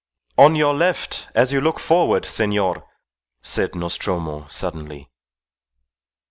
"On your left as you look forward, senor," said Nostromo, suddenly.